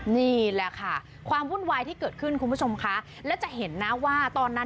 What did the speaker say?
นี่แหละค่ะความวุ่นวายที่เกิดขึ้นคุณผู้ชมคะและจะเห็นนะว่าตอนนั้น